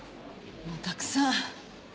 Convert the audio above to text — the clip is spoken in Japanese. もうたくさん。